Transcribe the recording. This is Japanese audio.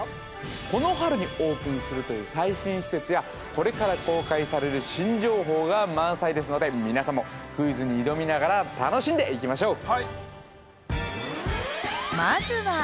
この春にオープンするという最新施設やこれから公開される新情報が満載ですので皆さんもクイズに挑みながら楽しんでいきましょう